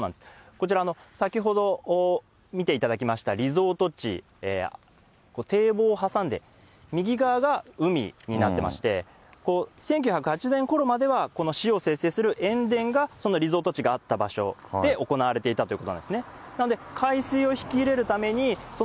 こちら、先ほど見ていただきましたリゾート地、堤防を挟んで右側は海になっていまして、１９８０年ころまでは、この塩を精製する塩田がそのリゾート地があった場所で行われていたということなんですね。